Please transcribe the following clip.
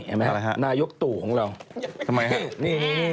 เห็นไหมครับนายกตู่ของเรายังไม่มีนี่